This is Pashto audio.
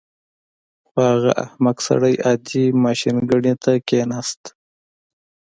خو هغه احمق سړی عادي ماشینګڼې ته کېناست